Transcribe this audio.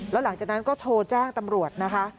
แล้วหลังจากนั้นก็โทรแจ้งตำรวจนะคะ